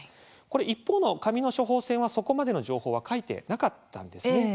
一方の紙の処方箋はそこまでの情報は書いてなかったんですね。